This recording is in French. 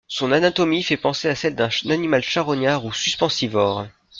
Son anatomie fait penser à celle d'un animal charognard ou suspensivore.